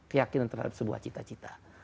keyakinan terhadap sebuah cita cita